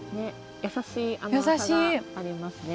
優しい甘さがありますね。